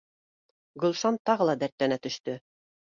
Гөлшан тағы ла дәртләнә төштө